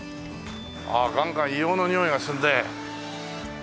あっガンガン硫黄のにおいがするね。